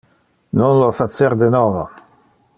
Non lo facer de novo.